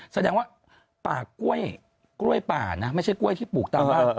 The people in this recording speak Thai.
แสดงว่าป่ากล้วยป่านะไม่ใช่กล้วยที่ปลูกตามบ้าน